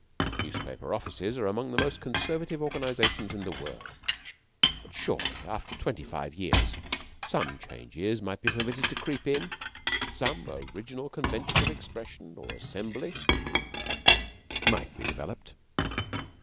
Newspaper offices are among the most conservative organisations in the world; but surely after twenty five years some changes might be permitted to creep in; some original convention of expression or assembly might be developed.